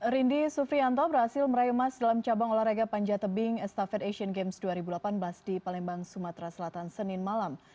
rindy sufrianto berhasil meraih emas dalam cabang olahraga panja tebing estafet asian games dua ribu delapan belas di palembang sumatera selatan senin malam